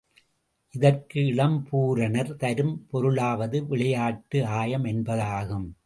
இதற்கு இளம்பூரணர் தரும் பொருளாவது விளையாட்டு ஆயம் என்பதாகும்.